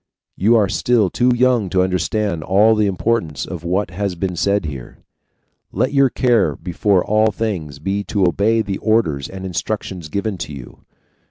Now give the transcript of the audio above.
You are still too young to understand all the importance of what has been said here; let your care before all things be to obey the orders and instructions given you.